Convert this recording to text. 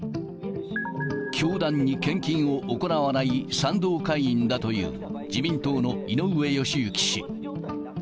教団に献金を行わない賛同会員だという、自民党の井上義行氏。